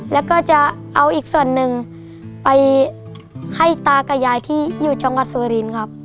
แล้วก็จะเอาอีกส่วนหนึ่งไปให้ตากับยายที่อยู่จังหวัดสุรินครับ